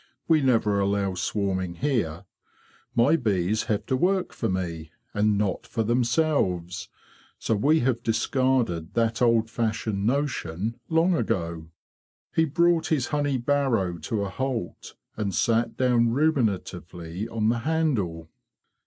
'' We never allow swarming here. My bees have to work for me, and not for themselves; so we have discarded that old fashioned notion long ago."' He brought his honey barrow to a halt, and sat down ruminatively on the handle.